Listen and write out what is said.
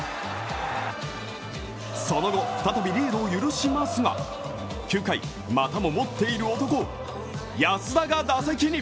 その後、再びリードを許しますが９回、またも持っている男安田が打席に。